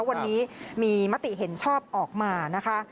วันนี้มีมติเห็นชอบออกมานะคะ